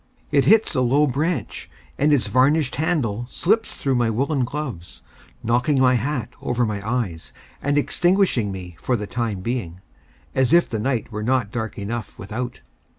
It hits a low branch, and its varnished handle slips through my woollen gloves, knocking my hat over my eyes, and extinguishing me for the time being. As if the night were not dark enough without!